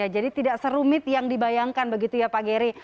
jadi tidak serumit yang dibayangkan begitu ya pak gery